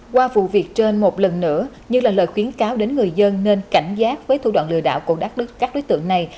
qua vụ việc trên một lần nữa như là lời khuyến cáo đến người dân nên cảnh giác với thủ đoạn lừa đảo của đắc đức các đối tượng này